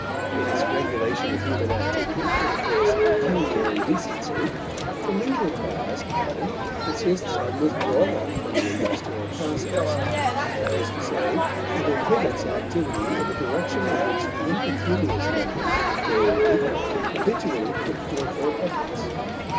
In its regulation of human activity for the purpose of pecuniary decency the leisure class canon insists on withdrawal from the industrial process. That is to say, it inhibits activity in the directions in which the impecunious members of the community habitually put forth their efforts.